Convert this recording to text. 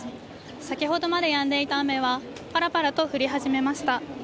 先ほどまでやんでいた雨はパラパラと降り始めました。